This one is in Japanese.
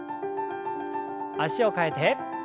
脚を替えて。